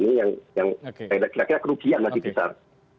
ini yang kira kira kerugian masih besar